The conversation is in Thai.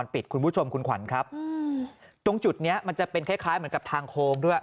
ปิดคุณผู้ชมคุณขวัญครับตรงจุดเนี้ยมันจะเป็นคล้ายคล้ายเหมือนกับทางโค้งด้วย